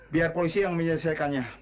biar polisi yang menyelesaikannya